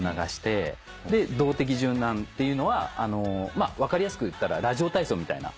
で動的柔軟っていうのは分かりやすく言ったらラジオ体操みたいな。